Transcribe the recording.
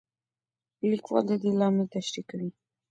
لیکوال د دې لامل تشریح کوي.